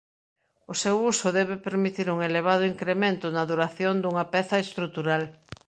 O seu uso debe permitir un elevado incremento na duración dunha peza estrutural.